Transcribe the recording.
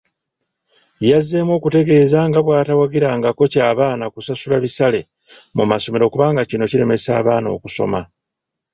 Yazzeemu okutegeeza nga bw'atawagirangako kya baana kusasula bisale mu masomero kubanga kino kiremesa abaana okusoma,